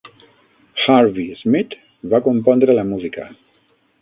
Harvey Schmidt va compondre la música.